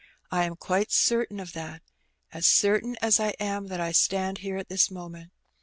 I am quite certain of that — as certain as I am that I stand here at this moment.